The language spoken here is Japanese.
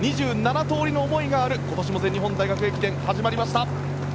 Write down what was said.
２７通りの思いがある全日本大学駅伝が今年も始まりました。